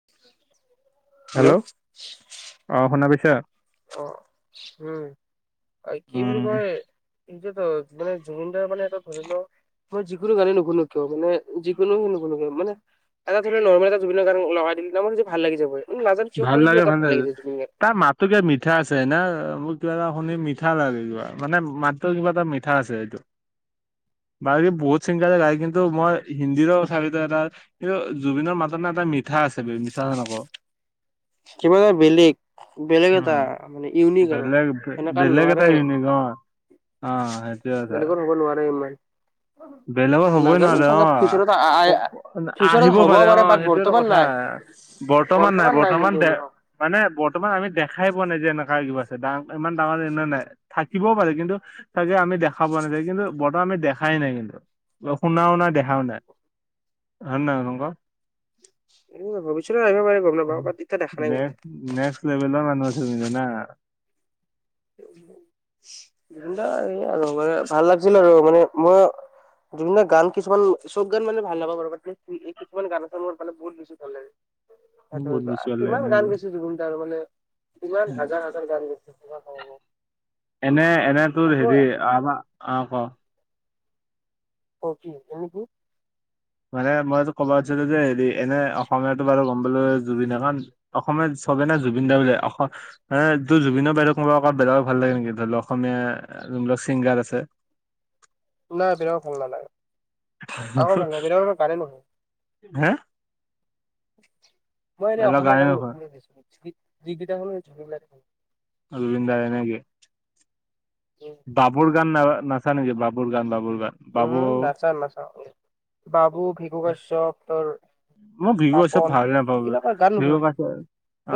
[inaudible] Hello অ শুনা পাইছা। অ উম কি বুলি উম কয়। এতিয়াতো মানে জুবিন দাৰ মানে এটা ধৰণৰ মই যিকোনো গানে নুশুনো কিয় মানে। যিকোনোনো লবলাগে মানে এটা ধৰি ল নৰ্মেল এটা জুবিন গানে লগ ই। [unintelligible] টো ক মিঠা আছে নে মোক কিবা এটা শুনি মিঠা লাগে কিবা মানে মাতটো কিবা এটা মিঠা আছে এইটো। বাকী বহুত চিংগাই গায় কিন্তু মই। হিন্দীৰো কথাপিতো এটা এই জুবিনৰ মাত নে এটা মিঠা আছে মিছা কথা নকৌ। কিবা এটা বেলেগ। বেলেগ এটা উম মানে ইউনিক আৰু। বেলেগ এনেকা বেলেগ নোৱাৰে এটা ইনিগ অ। অ সেইটোৱা দা। বেলেগৰ হ'ব নোৱাৰে ইমান বেলেগৰ হবই নাজানো নোৱাৰে অ চাগে ফিউচাৰত ক ফিউচাৰত আহিব হ'বও পাৰে অ বাট সেইয়েটো বৰ্তমান কথা। নাই বৰ্তমান নাই বৰ্তমান। [inaudible] মানে বৰ্তমান আমি দেখাই পোৱা নাই যে এনেকুৱা কিবা আছে ডা ইমান ডাঙৰ এনে নাই। থাকিবও পাৰে কিন্তু তাকে আমি দেখা পোৱা নাথাকে কিন্তু বৰ্তমান আমি দেখাই নাই কিন্তু। শুনাও না দেখাও না হয়ে ন। [inaudible] [inaudible] ভৱিষ্যত আহিবাৰে গম উম নাপাওঁ বাত এতিয়া দেখা নাই। [inaudible] নেক্স নেক্স লেভেল মানুহৰ আছিল কিন্তু না। [unintelligible] ভাল লাগিছিল আৰু মানে মইও [unintelligible] গান কিছুমান চব গান মানে ভাল নাপাওঁ [unintelligible] এই কিছুমান গানা নহয় মানে বহুত বেছি ভাল লাগে। বহুত বস্তু [unintelligible] কিমান গান গাইছে জুবিন তাৰ মানে কিমান হাজাৰ হাজাৰ গান গাইছে এনে এনে তোৰ মই হেৰি আমাৰ অ ক। [inaudible] মানে মই এইতো ক'ব খজিছিলো যে হেৰি এনে অসমীয়াটো বাৰু [unintelligible] এ তোৰ জুবিনৰ বাহিৰে কোনোবা অ বেলেগ ভাল লাগে নেকি ধৰি লও অসমীয়া যোনবিলাক চিংগাৰ আছে? নাই বেলেগক ভাল নালাগে। কাৰো ভাল নালাগে বেলেগৰ গানে নহয় [unintelligible] মই এনেই বেলেগ অসমীয়া গানে গান নুশুন নোশোনা বেছি, যি-যিকেইটা শুনো জুবিন দা শুনো। অ জুবিন দাৰে নেকি? বাবুৰ গান না-নাচান নেকি? বাবুৰ গান, বাবুৰ গান। উম বাবু নাচাও নাচাও বাবু, ভিকু কাশ্যপ তোৰ মই বিহু চব পাপন ভাল নাপাওঁ এইবিলাকৰ গান বিহু নুশুনো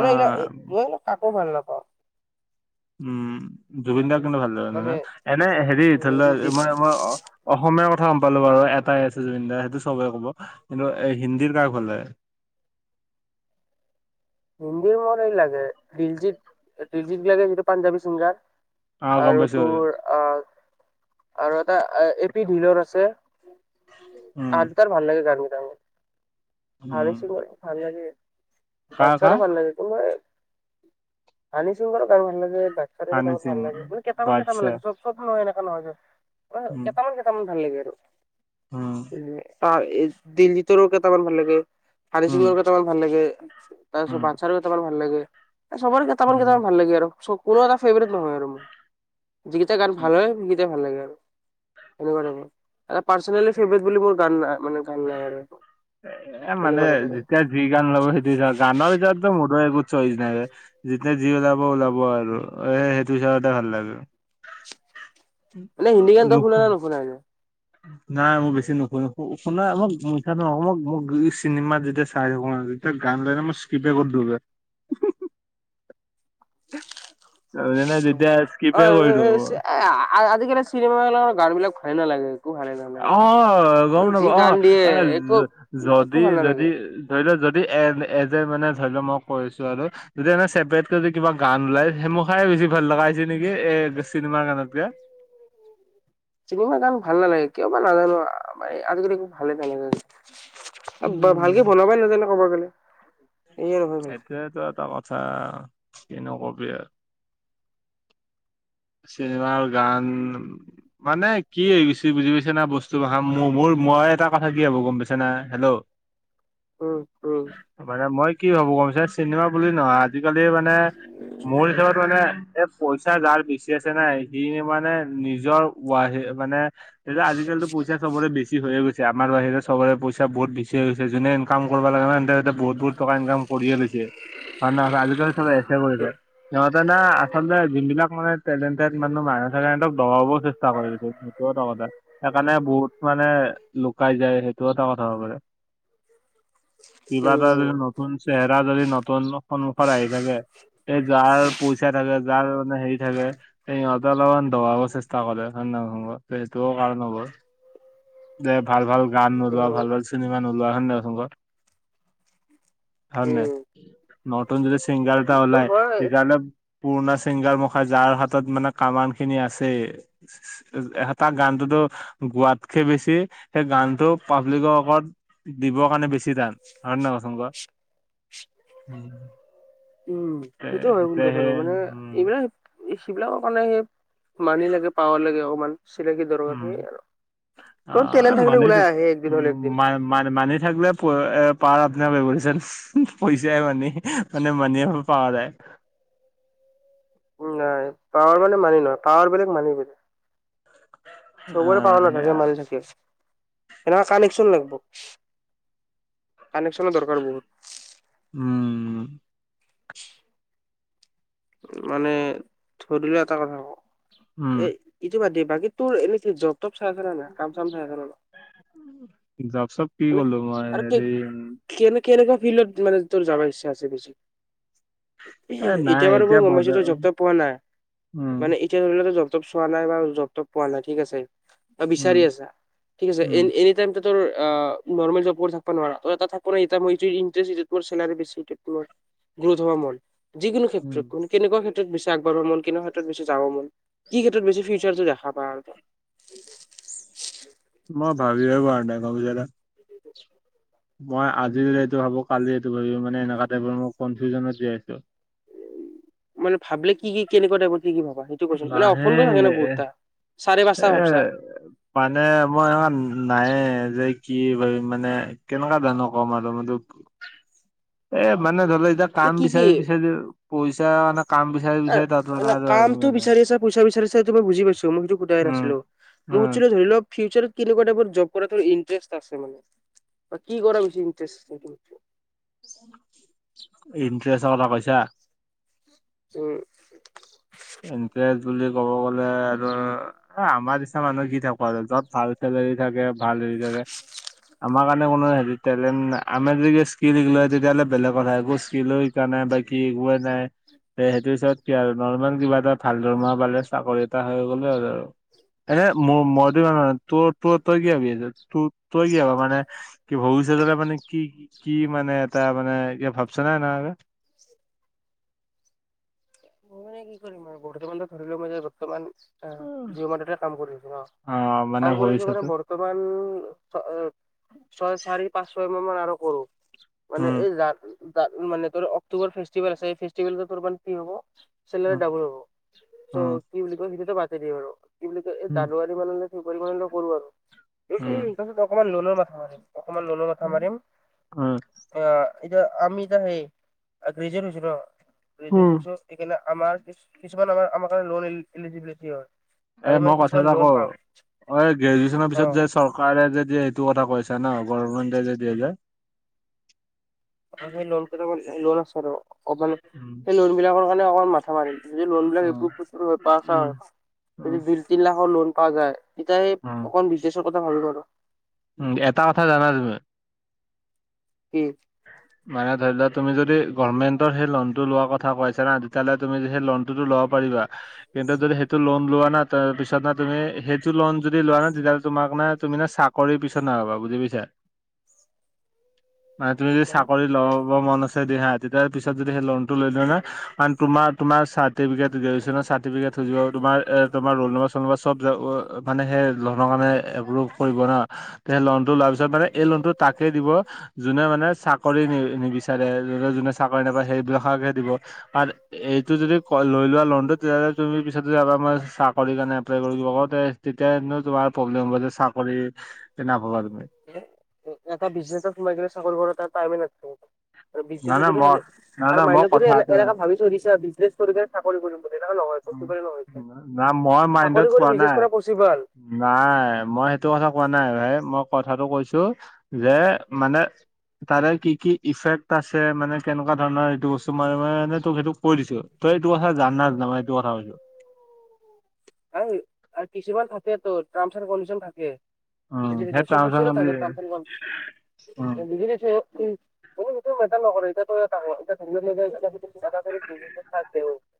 মানে এইগিলা কাকো ভাল নাপাওঁ। উম জুবিন দাৰ কিন্তু ভাল লাগানো মানে ন, এনে হেৰি উম, ধৰি লোৱা দিপ- মই-মই অসমীয়াৰ কথা গম পালো বাৰু এটাই আছে জুবিন দা সেইটো চবে ক'ব। কিন্তু এ হিন্দীৰ কাক ভাল লাগে? হিন্দীৰ মোৰ এই লাগে দিলজিত দিলজিত [unintelligible] যিটো পাঞ্জাবী চিংগাৰ অ গম আৰু পাইছো তোৰ আহ আৰু এটা এপি ঢিলৰ আছে উম আৰু [unintelligible] হানি সিঙৰ উম ভাল লাগে। কাৰ বাদচাহৰো কাৰ ভাল লাগে, কিন্তু সেই হানিছিংৰ গান ভাল লাগে [unintelligible] মানে হানি কেইটামান সিং ভাল লাগে, মানে কেটামান কেটামান বাদশাহ লাগে চব চন হয় এনেকা নহয় যে। উম কেইটামান কেইটামান ভাল লাগে আৰু। উম। অ এই দিলজিতৰো কেইটামান ভাল লাগে, উম হানিচিঙৰো কেইটামান ভাল লাগে, তাৰপিছত উম বাদচাৰো কেইটামান ভাল লাগে, এ চবৰে কেইটামান উম কেইটামান ভাল লাগে আৰু চ কোনো এটা ফেভৰেট নহয় আৰু মোৰ। যিকেইটা গান উম। ভাল হয় সেইকেইটাই ভাল লাগে আৰু [unintelligible] পৰ্চেনেলি ফেভট বুলি মোৰ গান নাই মানে গান নাই এ মানে আৰু [unintelligible] [unintelligible] চইচ নাই। যেতিয়া যি ওলাব ওলাব আৰু এ সেইটো হিচাপতে ভাল লাগে। [unintelligible] মানে হিন্দী গানটো শুনা নুশু নে নুশুনা এনে? নাই মই বেছি নুশুনো। শুন মই মিছা নহ মোক মোক চিনেমাত যেতিয়া চাই থাকো [unintelligible] যেতিয়া গান লগে মই স্কপে কৰি দিওঁ গে। যেনে যেতিয়া অ স্কিপে কৰি অই দিওঁ মই অই আ-আজিকালি চিনেমাবিলাকত গান বিলাক ভলেই নালাগে। ভালে নালাগে। অ অ গম যি নাপওঁ অ গান দিয়ে এ একো একো যদি ভাল নালাগে। যদি ধৰি লও যদি এ এজ এ মানে ধৰি লও মই কয় আছোঁ আৰু যেতিয়া এনে চেপাৰেটকৈ যদি কিবা গান ওলাই সেইমখাই বেছি ভাল লগা হৈছে নেকি এ চিনেমাৰ গানতকে। চিনেমা গান ভাল নালাগে কিয় বা নাজানো আৰু মানে আজিকালি ভালে নালগে। [unintelligible] উম ভালকে বনাব‌ই নাজানে কব গ'লে। [unintelligible] সেইটোয়েতো এটা কথা কিনো কবি আৰু চিনেমাৰ গান মানে কি গৈছে বুজি পাইছে না বস্তুবাষা মোৰ মোৰ মই এটা কথা কি হ'ব গম পাইছে না হেল্ল' উম উম মানে মই কি ভাবোঁ ক‌ও যে চিনেমা বুলি নহয় আজিকালি মানে মোৰ হিচাপত মানে এ পইচা যাৰ পিছ আছে নাই সি মানে নিজৰ মানে এতিয়া আজিকালিটো পইচা চবৰে বেছি হৈ গৈছে আমাৰ বাহিৰে চবৰে পইচা বহুত হৈছে যোনে ইনকাম কৰিব লাগে ন- বহুত বহুত টকা ইনকাম কৰিয়ে লৈছে কাৰণ আজিকালি চবে এছে কৰিছে সিহঁত [unintelligible] আচলতে যোন বিলাক মানে টেলেণ্টেড মানুহ [unintelligible] দবাবও চেষ্টা কৰিছিল সেইটো এটা কথা সেইকাৰণে বহুত মানে লুকাই যায় সেইটো এটা কথা হ'ব পাৰে কিবা উম ভাবি নতুন চেহেৰা যদি নতুন সন্মুখত আহি থাকে এই যাৰ পইচা থাকে যাৰ মানে হেৰি থাকে সিহঁতে অলপমান দবাব চেষ্টা কৰে ত সেইটোও কাৰণ হ'ব দে ভাল ভাল গান উম নোলোৱা উম। ভাল ভাল চিনেমা নোলোৱা হয় নহয় হয় নাই নতুন যদি ছিংগাৰ এটা ত ওলাই হয় তেতিয়াহ'লে পুৰণা চিংগাৰ মুখা যাৰ হাত ত মানে কামান খিনি আছে এটা গানটোতো গোৱাতকে বেছি সেই গানটো পাব্লিকৰ ওপৰত দিবৰ কাৰণে বেছি টান হয়নে নহয় কচোন ক উম সেইটো হয় কিন্তু তেতিয়াহে বাৰু মানে উম এইবিলাক সেইবিলাকৰ কাৰণে সে মানি লাগে পাৱ লাগে অকমান চিনাকি দৰকাৰ উম সেই আৰু অ মানি একদিন। মান মানি থাকলে এ পাৱাৰ আপনাৰচ পইচাই মানি মানে মানি পাৱ যায় নাই পাৱাৰ মানে মানি নহয় পাৱাৰ বেলেগ মানি বেলেগ অ চবৰে পাৱাৰ নাথাকে সেয়া মাণি থাকে সেনেকুৱা কানেকচন লাগিব কানেকচনৰ দৰকাৰ বহুত। উম মানে ধৰিলোৱা এটা কথা উম ক এই ইটো বাদ দে বাকী তোৰ এনে জব তব চাই আছে নে কাম চাম চাই আছে ন যপ চপ কি কৰিলোঁ মই আৰু কে হেৰি উ কেনে কেনেকুৱা ফিল্ডত মানে তোৰ যাবাৰ ইচ্ছা আছে বেছি এ নাই এতিয়া বাৰু মই গম বৰ্ত পাইছোঁ তই জব চপ পোৱা নাই উম মানে তেতিয়া ধৰি ল জবটপ চোৱা নাই বা জবটপ পোৱা নাই ঠিক আছে উম বিচাৰি আছা ঠিক আছে উম এ এনি টাইম ত তোৰ অ নৰ্মেল জব কৰি থাকিব নোৱাৰা তই এটা থাকব [unintelligible] গুৰু ধৰ্মত যিকোনো উম কেনেকা ক্ষেত্ৰত বিচাগবঢ় মন কেনে ক্ষেত্ৰতবেছি যাব মন কি ক্ষেত্ৰত বে [unintelligible] মই ভাবিব পাৰা নাই [unintelligible] [unintelligible] মই আজি যদি এইটো ভাবোঁ কালি এইটো ভাবি মানে এনেকুৱা টাইপৰ মই কনফিউজনত জীয়াই আছোঁ মানে ভাবিলে কি কেনেকুৱা টাইপ কি ভাবা সেইটো কৈছোন মানে লাহে অসমটো থাকে ন এ বহুতটা চাৰে পাঁচটা ভাবছা এ মানে মই এনেমান নাইে যে কি মানে। কেনেকুৱা ধানৰ কম আৰু তোক। এ মানে ধৰি ল এতিয়া মানে কাম কি কি বিচাৰি -বিচাৰি। পইচা মানে কাম বিচাৰি- এ বিচাৰি [unintelligible] নাই আৰু কামটো মানে। বিচাৰি আছা পইচা বিচাৰিা ত মই বুজি পাইছো মই সেইট উম নাছিলোই উম সধি ধৰি লক ফিউচাৰত কি লগা এটা জব কৰা ইন্টাৰেষ্ট আছে মান বা কি কৰাত ইটাৰেষ্ট আছে। ইণ্টাৰেষ্টৰ কথা কৈছা। উম', ইণ্টাৰেষ্ট বুলি ক'ব গ'লে আৰু। অ', আমাৰ নিচিনা মানুহ কি থাকো আৰু য'ত ভাল চেলেৰী থাকে। ভাল হেৰি থাকে আমাৰ কাৰণে কোনো হেৰি টেলেনট আমাৰ যদিয়া স্কিল হয় তেতিয়াহ'লে বেলেগ কথা একো স্কিলো শিকা নাই বাকি একোৱেই নাই। এইটো হৈছে [unintelligible] আৰ নৰ্মেল। কিবা এটা ভাল দৰমহা পালে চাকৰি এটা হৈ গ'লে আৰু আৰু এনে মোৰ মইটো তোৰ- তোৰ তই কি ভাবি আছা তোৰ তই কি ভাবি আছা মানে কি ভৱিষ্যতৰে মানে কি? কি মানে এটা মানে ই ভাবছ নে এনেকে। মোৰ কি কৰিম [unintelligible] আৰু বৰ্তমান ত ধৰিলো মই বৰ্তমান। অ', জিম মাৰতে কাম কৰি আছো ন- অ মানে কাম কৰিছো মানে ভৱিষ্যতে ঘৰত বৰ্তমান ছয় চাৰি পাঁচ ছয় মান আৰু কৰো। মানে উম এই মানে তোৰ অক্টোবৰ ফেষ্টিভেল আছে ফেষ্টিভেল তোৰ মান কি হ'ব। চেলাৰী উম ডোবোল হ'ব তৌ উম কি বুলি কয় সেইটো পাতি দে বাৰু। কি বুলি এই উম জানুৱাৰী মানে ফেব্ৰুৱাৰী মানে কৰো আৰু। উম তাৰপিছত অকণমান লোনৰ মাথা মাৰিম অকনমান লোনৰ মাথা মাৰিম। উম', অ', এতিয়া আমি এতিয়া সেই গ্ৰেজুয়েট হৈছো ৰ উম গ্ৰেজয়েট হৈছো। সেইকাৰণে আমাৰ কিছুমান আমাৰ- আমাৰ কাৰণে লোন এলিজিবিলিটি হয়। এ আমি মই মানে কথা কিছুমান এটা ক লোন পাম অ', গ্ৰেজুৱেশ্যনৰ অ পিছত যে- চৰকাৰী চৰকাৰে যদি সেইটো কথা কৈছা ন- গভৰ্মেন্টে দাই দিয়ে যে। অ সেই লোন লোন আছে আৰু অকমান উম সেই লোন বিলাকৰ কাৰণে অকমান মাথা মাৰিম। যদি লোন বিলাক এভ উম পাছ হয় যদি দুই তিনি লাখৰ লোন পোৱা যায়। তেতিয়া অকমান বিজনেছৰ কথা ভাবিম আৰু উ এটা কথা জানা নে নাজানা? কি? মানে ধৰি লোৱা তুি যদি গমেন্ৰ লটো ল কথা কৈছা তেতিয়া হলে তুমি সে লোন টো তো ল'ব পাৰিবা। কিন্তু যদি সেইটো লোন লোৱা না তাৰ পিছত নে তুমি সেইটো লোন যদি লোৱা না তেতিয়াহ'লে তোমাক নে তুমি নে চাকৰি। কৰি পিছত নাপাব বুজি পাইছ মানে লব ব বমনাতি পিত য লটো লৈ ত [unintelligible] [unintelligible] মানে সেই লনৰ কাৰণে এপ্ৰোভ কৰিব নোৱাৰো। তে লোনতটো লোৱাৰ পিছত মানে এই লোনতটো তাকে দিব যোনে মানে চাকৰি কৰি নি নিবিচাৰে জোনে জোনে নে চাকৰি নাপায় সেইবিলাকক হে দিব আৰু এইটো যদি লৈ লোৱা লোনতটো তেতিয়া হ'লে তুমি পিছত যদি ভাবা মই চাকৰি কাৰণে এপ্লাই কৰিব পাৰোঁ। তেতিয়ান তোমাৰ প্ৰব্লেম হব যে- চাকৰি নাাপবা তুমি [unintelligible] এটা বিজনেছত সোমাই গ'লে চাকৰি কৰাৰ তাত টাইমে নাথাকিব। আৰু না বিজনেছত না যদি মই হ'লে না না আৰু মই মান্যত যদি কথাটো এনেকা ভাবি থৈ দিছা বিজনেছ কৰি পে চাকৰি কৰিম। [unintelligible] না মই মাইণ্ডত চাকৰি কৰি থোৱা বিজনেছ নাই কৰা পচিবল। নাই মই সেইটো কথা কোৱা নাই ভাই, মই কথাটো কৈছোঁ যে মানে তাৰে কি কি ইফেক্ট আছে মানে কেনেকুৱা ধৰণৰ এইটো বস্তু মাৰে মাৰে মানে তোক সেইটো কৈ দিছোঁ। তই এইটো কথা জান [unintelligible] মই এইটো কথা কৈছোঁ। [unintelligible] কিছুমান থাকে তোৰ, ট্ৰমাছ আৰ কনডিচন থাকে। উম সেই [unintelligible] চব ট্ৰাঞ্চলেচন বস্তুৰে কৰি থাকে ট্ৰামছ এণ্ড উম [unintelligible] মোৰ সেইটো মেটাৰ নকৰে, এতিয়া তই [unintelligible]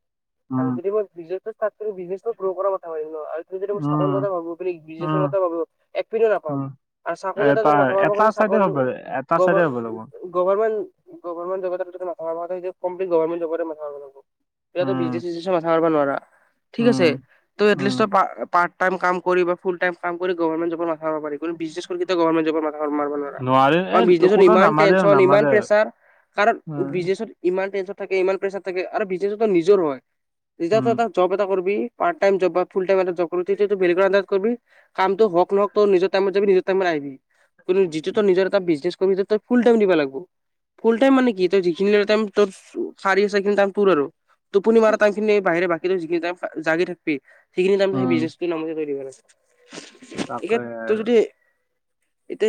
উম আৰু যদি মই বিজনেছটো ষ্টাৰ্ট কৰি বিজনেছটো গ্ৰ' কৰাৰ মাথা মাৰিম ন' আৰু আৰু যদিমই চাকৰি উম কথা ভাবোঁ [unintelligible] বিজনেছৰ উম কথা ভাবোঁ এক পিনেও নাপাম। উম আৰু চাকৰি এটা যদি মাথা মাৰিব এটা খোজা চাইডে চাকৰি হ'ব এটা চাইডে হ'ব লাগিব। গভাৰমেণ্ট, গভাৰমেণ্ট জব এটা [unintelligible] কমপ্লিট গভাৰমেণ্ট জব এটাতে মাথা মাৰিব লাগিব। তই ইয়াতে উম বিজনেছ চিজনেছৰ মাথা মাৰব নোৱাৰা ঠিক আছে, উম ত' উম এটলিষ্টৰ পা-পাৰ্ট টাইম কাম কৰি বা ফুল টাইম কাম কৰিম গভাৰমেণ্ট জবৰ মাথা মাৰব পাৰি কিন্তু বিজনেছ কৰি কেতিয়াও গভাৰমেণ্ট জবৰ মাথা মাৰব নোৱাৰা। নোৱাৰি এ কাৰ বিজনেছত কোনো ইমান নামাৰে টেনচন, ইমান নামাৰে প্ৰেচাৰ কাৰণ উম বিজনেছত ইমান টেনচন থাকে, ইমান প্ৰেচাৰ থাকে আৰু বিজনেচো তোৰ নিজৰ হয়, উম যেতিয়া এটা জব এটা কৰিবি পাৰ্ট টাইম জব বা ফুল টাইম এটা জব কৰিবি তেতিয়াতো বেলেগৰ আণ্ডাৰত কৰিবি, কামটো হওক নহওক তই নিজৰ টাইমত যাবি নিজৰ টাইমত আহিবি কিন্তু যিটো তই নিজৰ এটা বিজনেছ কৰিব তই ফুল টাইম দিব লাগব। ফুল টাইম মানে কি তই যিখিনিলৈকে উম টাইম তোৰ শাৰী ছেকেন টাইম তোৰ আৰু। টোপনি মাৰ টাইমখিনিৰ বাহিৰে বাকী তই যিখিনি টাইম জাগি থাকিবি সেইখিনি টাইম উম সেই বিজনেছটো নামতে দিব [unintelligible] তাকে একে আৰু তোৰ যদি এতি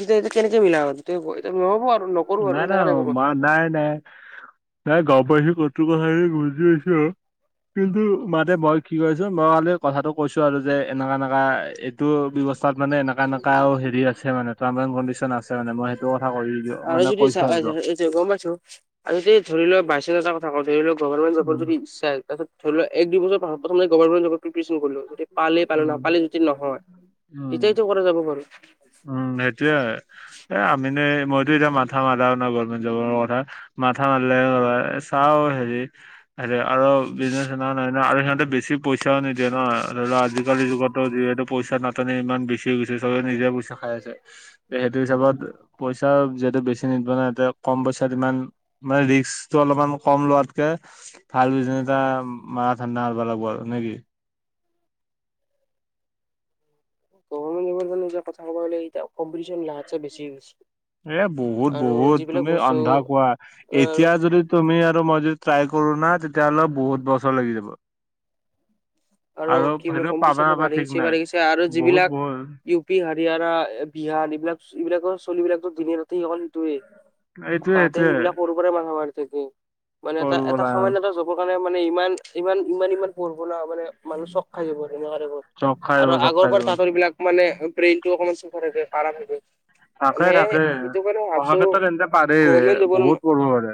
ইতিয়া তিয়া কেনেকে মিলাব। [unintelligible] নকৰো আৰু নাই না সেনেকা টাইপৰ কথা মা নাই নাই নাই গম পাইছোঁ কোনটোৰ কথা যে গুৰুত্ব দিছ। কিন্তু মাতে মই কি কৈছোঁ মই কালি কথাটো কৈছোঁ আৰু যে এনেকা এনেকা এ টো ব্যৱস্থাত মানে এনেকা এনেকাও হেৰি আছে মানে। ট্ৰাম এণ্ড কণ্ডিচন আছে মানে মই সেইটো কথা কৈ মানে কৈছোঁ আৰু [unintelligible] তে গম পাইছোঁ। যদি ধৰি লওক বাইচাঞ্চ এটা কথা কওঁ ধৰি লওঁক গভাৰমেণ্ট জবৰ উম যদি ইচ্ছা হয় তাৰছত ধৰি লোৱা এক দুই দুছৰ পাছত প্ৰথমে গভাৰ্মেণ্ট জবত প্ৰিপেচন কৰি লোৱা যদি পালে পালোঁ, উম নাপালে যদি নহয় তেতিয়টো উম এইটো কৰা যাব বাৰু। উম, সেইটোয়ে এ, আমিনো মইতো এতিয়া মাথা মাৰাও নাই গভমেণ্ট জবৰ কথা মাথা মাৰিলে ৰ চাওঁ হেৰি। আৰু বিজনেচ অনা নাই ন' আৰু সিহঁতে বেছি পইচাও নিদিয়ে ন' ধৰি লোৱা আজি আজিকালি যুগতো যিহেতু পইচা নাটানি ইমান বেছি গৈছে, চবেই নিজে পইচা খাই আছে। সেইটো হিচাপত পইচা যিহেতু বেছি নিদিব না, তে কম পইচাত ইমান মানে ৰিস্কটো অলপমান কম লোৱাতকে ভাল বিছনেছ এটা মাৰা ধান্দা মাৰবা লাগব আৰু নেকি? গভাৰ্মেণ্ট জবৰ এতিয়া নিজৰ কথা ক'ব গ'লে এতিয়া কম্পিটিচন লাখতকে বেছি হৈ গৈছে। এ, বহুত বহুত, তুমি অন্ধা কোৱা, আৰু এতিয়া যদি তুমি আৰু মই যদি ট্ৰাই কৰোঁ না তেতিয়াহ'লে বহুত বছৰ লাগি যাব। আৰু কি সেইটো পাবা কম্পিটিচনটো নাপা বাঢ়ি ঠিক গৈছে নাই বাঢ়ি গৈছে আৰু বহুত যিবিলাক বহুত ইউ সেই হাৰিয়ানা বিহাৰ এইবিলাক এইবিলাকৰ চলিবিলাকো দিনে ৰাতিয়ে অকল সেইটোয়ে এইটোয়ে তাহাঁতে এইটোয়ে সেইবিলাক সৰু পৰাই মাথা মাৰি থাকে মানে এটা কৰিব এটা লাগে সামান্য এটা জব ৰ কাৰণে মানে ইমান ইমান ইমান ইমান পঢ়ব লগা হয় মানুহ চক খাই যাব এনেকোৱা টাইপৰ চক খাই যাব আৰু চক আগৰ খাই পৰা যাব তাঁহতৰ সেইবিলাক মানে ব্ৰেইনটো অকমান স্কৰ পৰে যে কাৰা থাকে থাকে মানে থাকে সেইটো কাৰণে মই পঢ়া ভাবচো ক্ষেত্ৰত এন্তে পাৰে গভৰ্ণমেণ্ট জব ন বহুত পঢ়িব পাৰে